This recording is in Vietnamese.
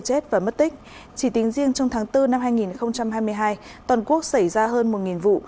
chết và mất tích chỉ tính riêng trong tháng bốn năm hai nghìn hai mươi hai toàn quốc xảy ra hơn một vụ